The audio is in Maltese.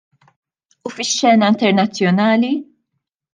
U fix-xena internazzjonali?